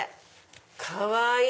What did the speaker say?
かわいい！